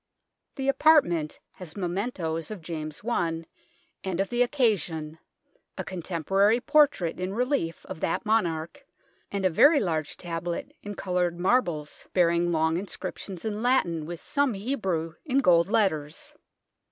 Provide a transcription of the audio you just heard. The apartment has mementoes of James I and of the occasion a con temporary portrait in relief of that monarch, and a very large tablet in coloured marbles bearing long inscriptions in Latin, with some Hebrew, in gold letters.